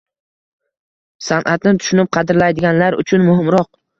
san’atni tushunib qadrlaydiganlar uchun muhimroq.